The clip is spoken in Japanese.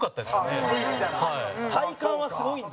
山崎：体感は、すごいんだ。